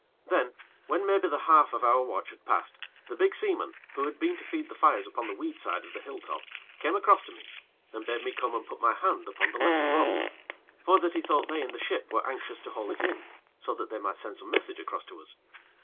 Then, when maybe the half of our watch had passed, the big seaman, who had been to feed the fires upon the weed side of the hill top, came across to me, and bade me come and put my hand upon the lesser rope; for that he thought they in the ship were anxious to haul it in so that they might send some message across to us.